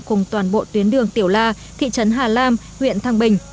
cùng toàn bộ tuyến đường tiểu la thị trấn hà lam huyện thăng bình